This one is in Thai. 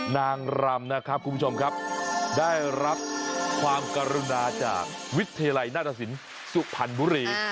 นางรำนะครับคุณผู้ชมครับได้รับความกรุณาจากวิทยาลัยนาฏศิลป์สุพรรณบุรี